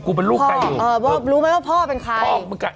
กูเป็นลูกใครเออว่ารู้ไหมว่าพ่อเป็นใครพ่อเป็นใคร